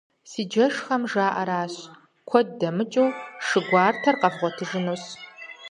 Си джэшхэм жаӀэращ: куэд дэмыкӀыу, шы гуартэр къэвгъуэтыжынущ.